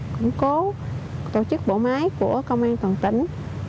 củng cố tổ chức bộ máy của công an toàn tỉnh